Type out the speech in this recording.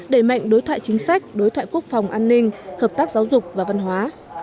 đẩy mạnh đối thoại chính sách đối thoại quốc phòng an ninh hợp tác giáo dục và văn hóa